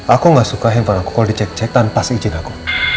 aku gak suka handphone aku kalo dicek cek tanpa si izin aku